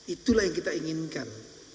itulah yang kita inginkan